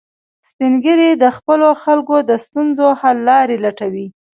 سپین ږیری د خپلو خلکو د ستونزو حل لارې لټوي